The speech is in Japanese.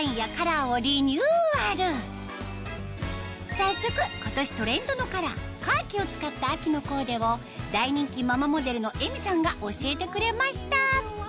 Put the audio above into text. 早速今年トレンドのカラーカーキを使った秋のコーデを大人気ママモデルのＥＭＩさんが教えてくれました